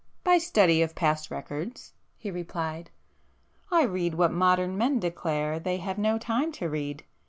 "By study of past records"—he replied—"I read what modern men declare they have no time to read.